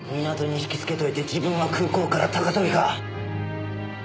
港に引きつけておいて自分は空港から高飛びか。